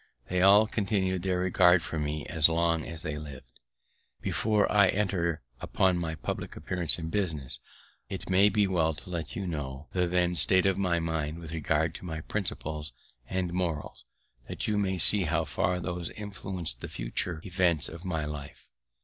They all continued their regard for me as long as they lived. Before I enter upon my public appearance in business, it may be well to let you know the then state of my mind with regard to my principles and morals, that you may see how far those influenc'd the future events of my life.